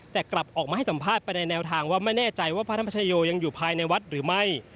แต่กลับออกมาให้สัมภาษณ์ไปในแนวทางว่าไม่แน่ใจว่าพระธรรมชโยยังอยู่ภายในวัดหรือไม่